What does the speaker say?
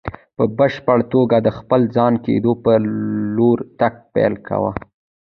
په بشپړ توګه د خپل ځان کېدو په لور تګ پيل کوي.